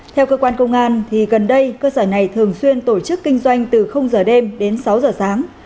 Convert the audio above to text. theo cơ quan công an gần đây cơ sở này thường xuyên tổ chức kinh doanh từ giờ đêm đến sáu giờ sáng